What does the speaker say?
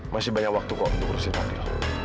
masih banyak waktu kok untuk urusin fadil